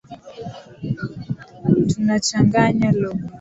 Tunachanganya lugha